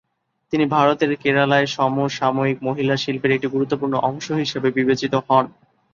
তিনি ভারতের কেরালায় সমসাময়িক মহিলা শিল্পের একটি গুরুত্বপূর্ণ অংশ হিসাবে বিবেচিত হন।